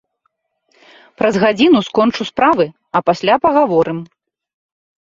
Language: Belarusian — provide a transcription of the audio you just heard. Праз гадзіну скончу справы, а пасля пагаворым.